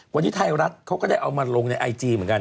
วันนี้ไทยรัฐเขาก็ได้เอามาลงในไอจีเหมือนกัน